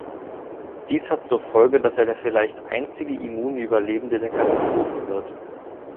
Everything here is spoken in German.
Dies hat zur Folge, dass er der vielleicht einzige immune Überlebende der Katastrophe wird.